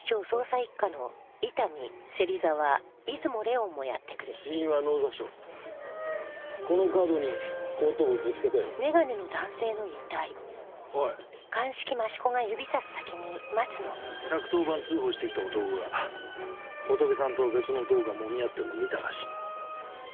１１０番通報してきた男がホトケさんと別の男がもみ合ってるのを見たらしい。